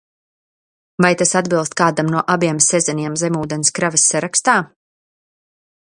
Vai tas atbilst kādam no abiem Sezaniem zemūdenes kravas sarakstā?